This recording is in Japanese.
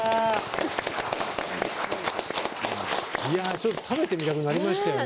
ちょっと食べてみたくなりましたね。